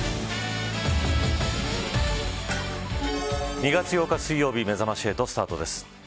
２月８日、水曜日めざまし８スタートです。